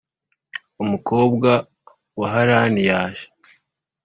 umukobwa wa Harani yaje